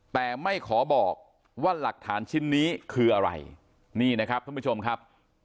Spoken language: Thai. แต่ไม่ขอบอกว่าหลักฐานชิ้นนี้คืออะไรนี่นะครับท่านผู้ชมครับ